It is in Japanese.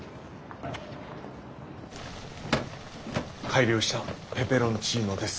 改良したペペロンチーノです。